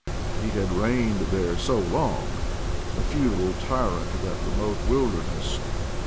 He had reigned there so long, the feudal tyrant of that remote wilderness